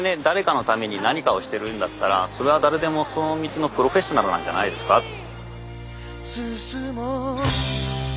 誰かのために何かをしてるんだったらそれは誰でもその道のプロフェッショナルなんじゃないですか？